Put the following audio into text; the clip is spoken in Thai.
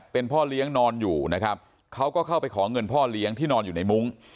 เป็นพ่อเลี้ยงนอนอยู่นะครับเขาก็เข้าไปขอเงินพ่อเลี้ยงที่นอนอยู่ในมุ้ง